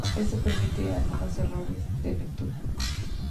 Esto permite evitar algunos errores de lectura.